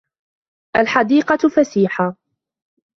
الْحَديقَةُ فَسِيحَةٌ.